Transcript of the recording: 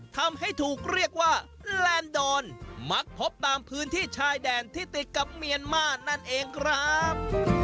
ทำให้ถูกเรียกว่าแลนดอนมักพบตามพื้นที่ชายแดนที่ติดกับเมียนมาร์นั่นเองครับ